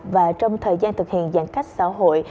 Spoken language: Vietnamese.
và trong thời gian thực hiện giãn cách xã hội